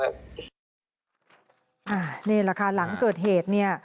นี่แหละค่ะหลังเกิดเหตุเนี่ย